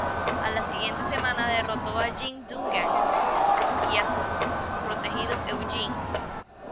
A la siguiente semana derrotó a Jim Duggan y a su protegido Eugene.